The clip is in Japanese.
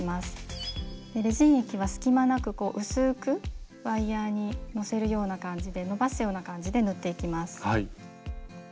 レジン液は隙間なく薄くワイヤーにのせるような感じでのばすような感じで塗っていきます。